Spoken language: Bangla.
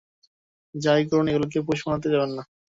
যাই করুন, এগুলোকে পোষ মানাতে যাবেন না!